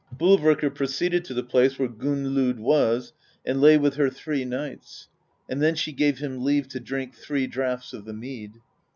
Bolverkr pro ceeded to the place where Gunnlod was, and lay with her three nights; and then she gave him leave to drink three draughts of the mead.